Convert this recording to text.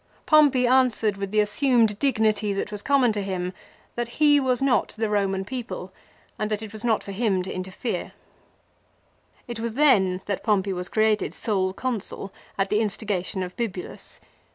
Pompey answered with the assumed dignity that was common to 72 LIFE OF CICERO. him that he was not the Eoman people, and that it was not for him to interfere. It was then that Pompey was created sole Consul at the instigation of Bibulus.